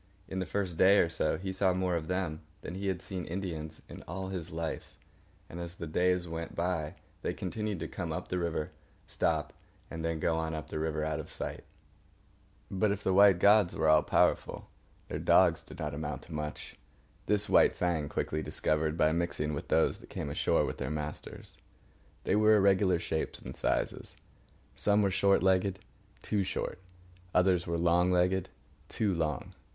In the first day or so, he saw more of them than he had seen Indians in all his life; and as the days went by they continued to come up the river, stop, and then go on up the river out of sight. But if the white gods were all powerful, their dogs did not amount to much. This White Fang quickly discovered by mixing with those that came ashore with their masters. They were irregular shapes and sizes. Some were short legged—too short; others were long legged—too long.